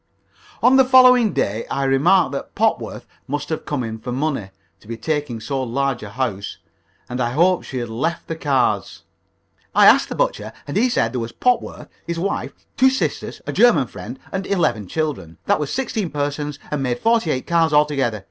On the following day I remarked that Popworth must have come in for money, to be taking so large a house, and I hoped she had left the cards. "I asked the butcher, and he said there was Popworth, his wife, two sisters, a German friend, and eleven children. That was sixteen persons, and made forty eight cards altogether.